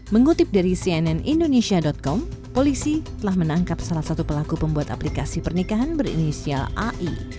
mengutip dari cnn indonesia com polisi telah menangkap salah satu pelaku pembuat aplikasi pernikahan berinisial ai